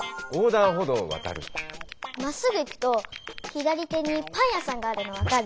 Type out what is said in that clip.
まっすぐ行くと左手にパン屋さんがあるの分かる？